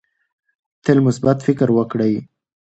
تل مثبت فکر وکړئ.